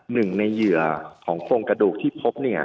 หนึ่งในเหยื่อของโครงกระดูกที่พบเนี่ย